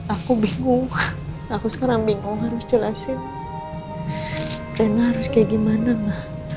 aku bingung aku sekarang bingung harus jelasin rena harus kayak gimana mah